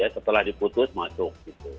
setelah diputus masuk